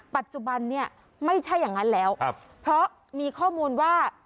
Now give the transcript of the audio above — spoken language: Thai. ปัจจุบันเนี่ยไม่ใช่อย่างนั้นแล้วเพราะมีข้อมูลว่า